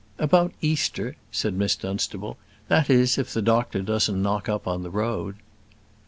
"About Easter," said Miss Dunstable; "that is, if the doctor doesn't knock up on the road."